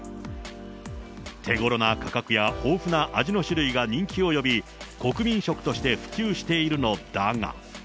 手ごろな価格や豊富な味の種類が人気を呼び、国民食として普及しているのだが。